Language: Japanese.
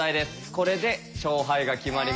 これで勝敗が決まります。